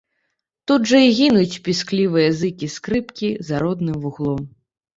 Тут жа і гінуць пісклівыя зыкі скрыпкі за родным вуглом.